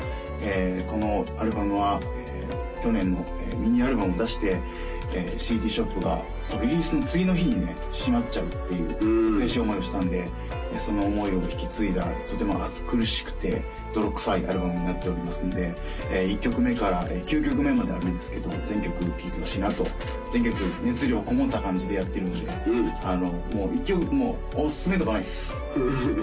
このアルバムは去年ミニアルバムを出してＣＤショップがリリースの次の日にね閉まっちゃうっていう悔しい思いをしたんでその思いを引き継いだとても暑苦しくて泥臭いアルバムになっておりますので１曲目から９曲目まであるんですけど全曲聴いてほしいなと全曲熱量こもった感じでやってるのであのもうおすすめとかないです！